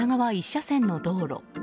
１車線の道路。